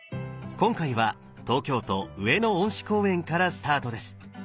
今回は東京都上野恩賜公園からスタートです